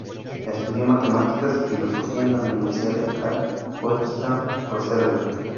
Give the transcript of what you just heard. Estudió Matemáticas y Filosofía en la Universidad de Case Western Reserve.